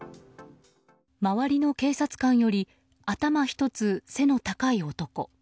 周りの警察官より頭１つ背の高い男。